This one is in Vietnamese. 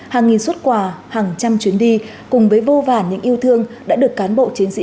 hàng nghìn xuất quà hàng trăm chuyến đi cùng với vô vàn những yêu thương đã được cán bộ chiến sĩ